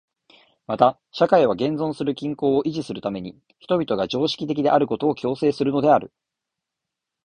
また社会は現存する均衡を維持するために人々が常識的であることを強制するのである。